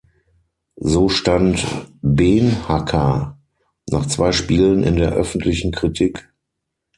So stand Beenhakker nach zwei Spielen in der öffentlichen Kritik.